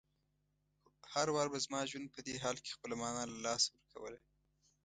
هر وار به زما ژوند په دې حال کې خپله مانا له لاسه ورکوله.